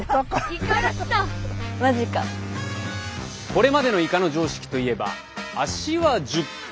これまでのイカの常識といえば足は１０本。